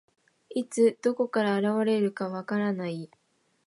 いつ、どこから現れるか分からない。